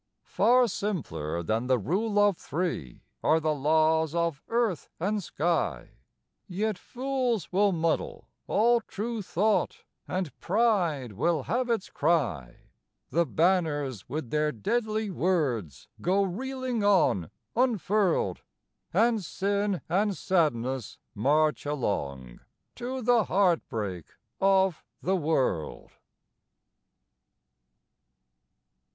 Far simpler than the Rule of Three Are the laws of earth and sky; Yet fools will muddle all true thought, And pride will have its cry; The banners with their deadly words Go reeling on unfurled, And sin and sadness march along To the heartbreak of the world.